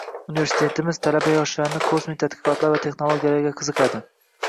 Universitetimiz talaba-yoshlarini kosmik tadqiqotlar va texnologiyalarga qiziqadi.